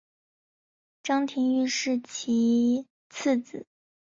张廷玉是其次子。